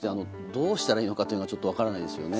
どうしたらいいのかというのがちょっと分からないですよね。